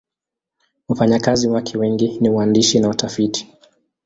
Wafanyakazi wake wengi ni waandishi na watafiti.